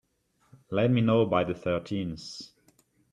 Let me know by the thirteenth.